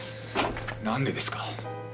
何でですか！